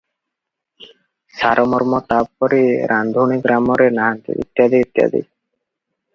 ସାରମର୍ମ, ତା'ପରି ରାନ୍ଧୁଣୀ ଗ୍ରାମରେ ନାହାନ୍ତି, ଇତ୍ୟାଦି ଇତ୍ୟାଦି ।